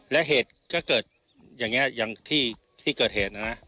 และเหตุก็เกิดอย่างนี้ที่เกิดเหตุ